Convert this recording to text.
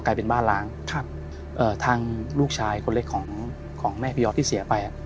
กลายเป็นบ้านล้างครับเอ่อทางลูกชายคนเล็กของของแม่พยอดที่เสียไป